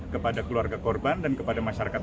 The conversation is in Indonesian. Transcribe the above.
kepada keluarga korban dan kepada masyarakat